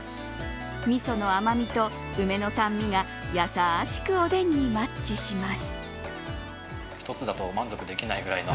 みその甘みと梅の酸味が優しくおでんにマッチします。